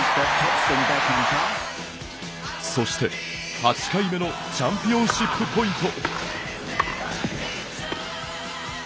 そして、８回目のチャンピオンシップポイント。